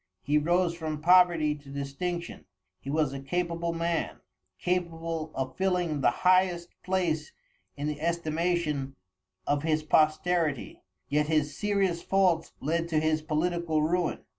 He rose from poverty to distinction; he was a capable man, capable of filling the highest place in the estimation of his posterity, yet his serious faults led to his political ruin.